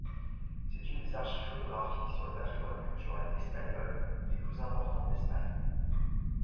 C'est une des archives photographiques sur le patrimoine culturel espagnol les plus importantes d'Espagne.